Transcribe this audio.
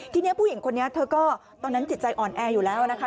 ทีนี้ผู้หญิงคนนี้เธอก็ตอนนั้นจิตใจอ่อนแออยู่แล้วนะคะ